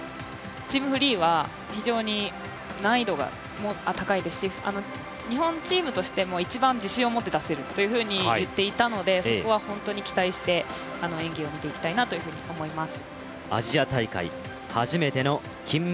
チームフリーは非常に難易度が高いですし、日本チームとしても一番自信を持って出せると言っていたのでそこは本当に期待して演技を見ていきたいなと思います。